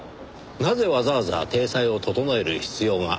なぜわざわざ体裁を整える必要があったのか。